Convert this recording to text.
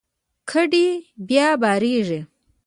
کډې بیا بارېږي.